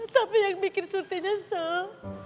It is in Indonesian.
tapi yang bikin curti nyesel